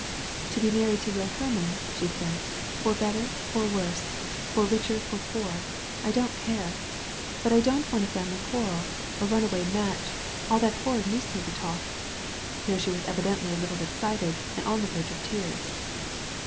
"To be married to Will Hermann," she said, "for better for worse, for richer for poorer, I don't care. But I don't want a family quarrel, a runaway match, all that horrid newspaper talk." Here she was evidently a little excited and on the verge of tears.